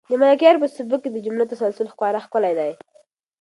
د ملکیار په سبک کې د جملو تسلسل خورا ښکلی دی.